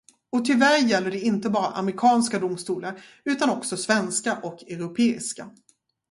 Och tyvärr gäller det inte bara amerikanska domstolar, utan också svenska och europeiska.